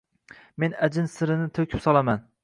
Men ajin sirini to`kib solaman